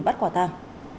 bắt quả cháy